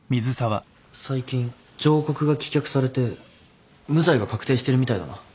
最近上告が棄却されて無罪が確定してるみたいだな。